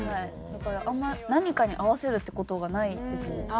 だから何かに合わせるって事がないですね。